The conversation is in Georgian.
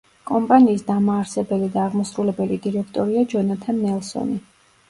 კომპანიის დამაარსებელი და აღმასრულებელი დირექტორია ჯონათან ნელსონი.